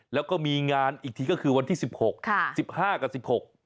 แล้วก็มีงานอีกทีก็คือวันที่๑๖๑๕กับ๑๖ไปกันครับ